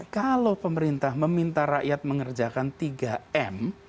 kalau pemerintah meminta rakyat mengerjakan tiga m